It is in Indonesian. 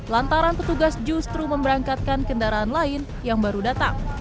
lantaran petugas justru memberangkatkan kendaraan lain yang baru datang